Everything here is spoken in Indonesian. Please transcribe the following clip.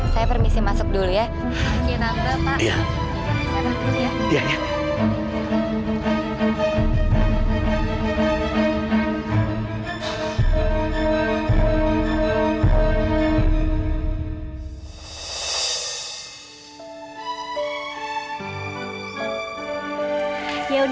saya permisi masuk dulu ya